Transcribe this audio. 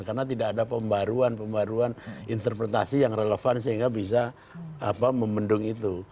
karena tidak ada pembaruan pembaruan interpretasi yang relevan sehingga bisa memendung itu